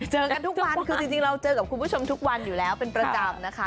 เจอกันทุกวันคือจริงเราเจอกับคุณผู้ชมทุกวันอยู่แล้วเป็นประจำนะคะ